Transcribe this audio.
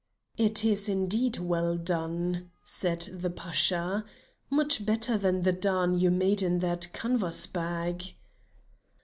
"It is indeed well done," said the Pasha; "much better than the darn you made in that canvas bag."